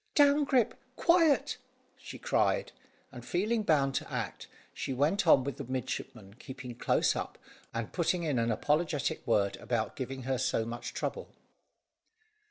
"Down, Grip! Quiet!" she cried, and feeling bound to act, she went on, with the midshipman keeping close up, and putting in an apologetic word about giving her so much trouble.